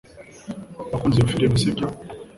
Wakunze iyo firime sibyo